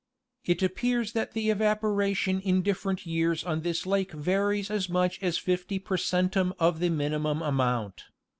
It appears that the evaporation in different years on this lake varies as much as 50 per centum of the minimum amount.